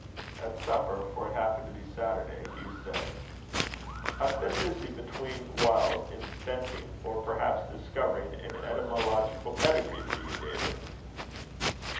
At supper, for it happened to be Saturday, Hugh said: "I've been busy, between whiles, inventing, or perhaps discovering, an etymological pedigree for you, David!"